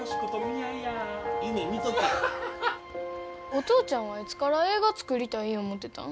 お父ちゃんはいつから映画作りたい思うてたん？